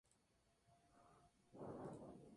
La película se convirtió en un raro objeto de culto.